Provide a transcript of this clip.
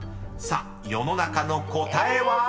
［さあ世の中の答えは？］